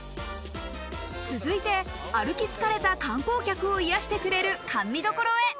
続いて、歩き疲れた観光客を癒やしてくれる甘味処へ。